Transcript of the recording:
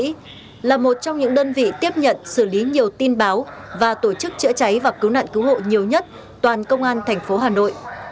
chữa cháy là một trong những đơn vị tiếp nhận xử lý nhiều tin báo và tổ chức chữa cháy và cứu nạn cứu hộ nhiều nhất toàn công an thành phố hà nội